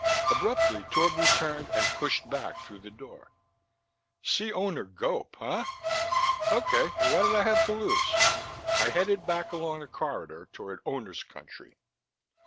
Abruptly Torbu turned and pushed back through the door. See Owner Gope, huh? Okay, what did I have to lose? I headed back along the corridor toward Owners' country.